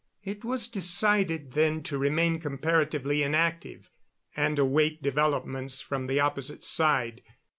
It was decided then to remain comparatively inactive and await developments from the opposite side.